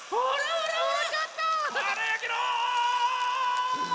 ほらやけろ！